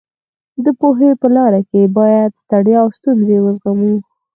د پوهې په لاره کې باید ستړیا او ستونزې وزغمو.